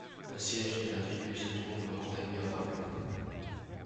Le siège de la tribu se trouve quant à lui à Pablo.